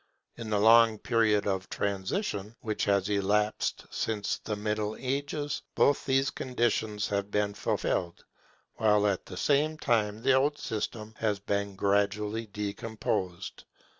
In the long period of transition which has elapsed since the Middle Ages, both these conditions have been fulfilled, while at the same time the old system has been gradually decomposed.